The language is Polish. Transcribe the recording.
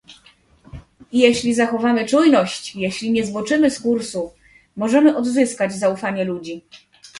Jeśli zachowamy czujność, jeśli nie zboczymy z kursu, możemy odzyskać zaufanie ludzi